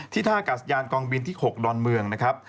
ท่ากาศยานกองบินที่๖ดอนเมืองนะครับ